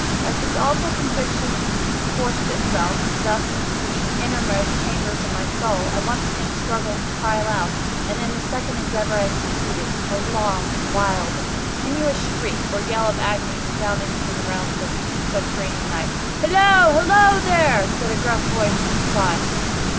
As this awful conviction forced itself, thus, into the innermost chambers of my soul, I once again struggled to cry aloud. And in this second endeavor I succeeded. A long, wild, and continuous shriek, or yell of agony, resounded through the realms of the subterranean Night. "Hillo! hillo, there!" said a gruff voice, in reply.